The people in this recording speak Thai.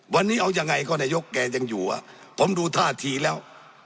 วันนี้เอายังไงก็นายกแกยังอยู่อ่ะผมดูท่าทีแล้ว